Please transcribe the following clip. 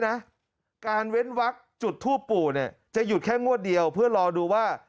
นะการเว้นวักจุดทูปปู่เนี่ยจะหยุดแค่งวดเดียวเพื่อรอดูว่า